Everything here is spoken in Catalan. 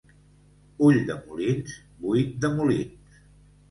Ulldemolins, buit de molins.